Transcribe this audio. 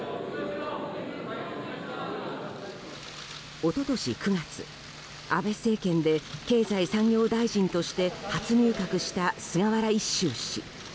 一昨年９月安倍政権で経済産業大臣として初入閣した菅原一秀氏。